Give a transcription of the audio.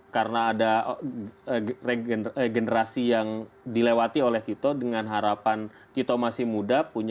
karena ada generasi yang dilewati oleh tito dengan harapan tito masih muda